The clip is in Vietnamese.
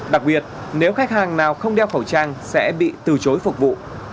đặc biệt nếu khách hàng nào không đeo khẩu trang sẽ bị từ chối phục vụ